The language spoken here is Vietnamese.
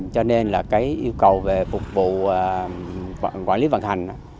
cho nên yêu cầu về phục vụ quản lý vận hành